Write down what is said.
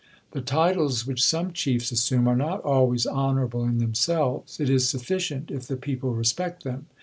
The titles which some chiefs assume are not always honourable in themselves; it is sufficient if the people respect them.